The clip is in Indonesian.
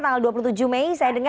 tanggal dua puluh tujuh mei